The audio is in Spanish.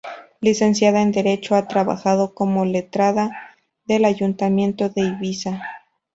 Licenciada en Derecho, ha trabajado como letrada del Ayuntamiento de Ibiza.